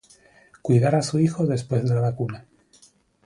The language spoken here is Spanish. Cuidar a su hijo después de la vacuna.